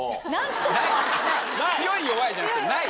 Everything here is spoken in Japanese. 強い弱いじゃなくて。